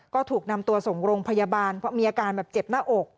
ก็ถูกนำตัวส่งโรงพยาบาลเพราะมีอาการแบบเจ็บหน้าอก